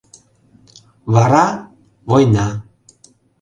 Вара — война...